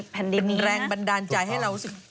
เป็นแรงบันดาลใจให้รู้สึกว่า